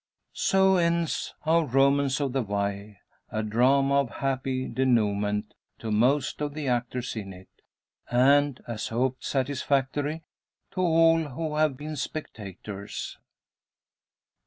So ends our "Romance of the Wye;" a drama of happy denouement to most of the actors in it; and, as hoped, satisfactory to all who have been spectators.